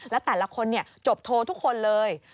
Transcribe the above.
และแต่ละคนจบโทรทุกคนเลย